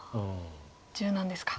柔軟ですか。